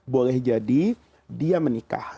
boleh jadi dia menikah